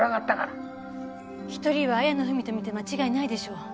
１人は綾野文とみて間違いないでしょう。